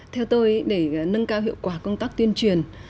theo tôi để nâng cao hiệu quả công tác tuyên truyền